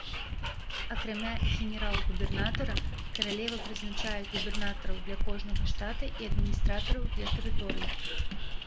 Акрамя генерал-губернатара, каралева прызначае губернатараў для кожнага штата і адміністратараў для тэрыторый.